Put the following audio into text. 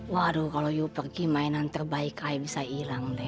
waduh kalau you pergi mainan terbaik ayo bisa hilang deh